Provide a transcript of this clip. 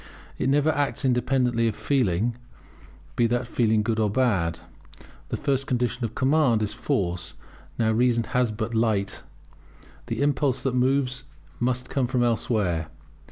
It never acts independently of feeling, be that feeling good or bad. The first condition of command is force; now reason has but light; the impulse that moves it must come from elsewhere.